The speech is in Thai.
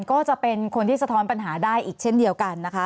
ก็จะเป็นคนที่สะท้อนปัญหาได้อีกเช่นเดียวกันนะคะ